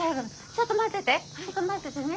ちょっと待っててね。